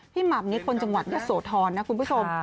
หม่ำนี่คนจังหวัดยะโสธรนะคุณผู้ชม